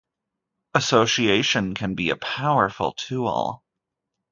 Association can be a powerful tool.